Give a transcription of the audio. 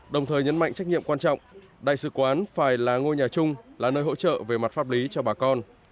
đồng thời nhấn mạnh trách nhiệm quan trọng đại sứ quán phải là ngôi nhà chung là nơi hỗ trợ về mặt pháp lý cho bà con